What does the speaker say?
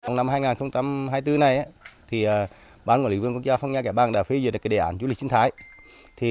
năm hai nghìn hai mươi bốn này bán quản lý quân quốc gia phong nha kẻ bàng đã phê duyệt đề ản du lịch chính thái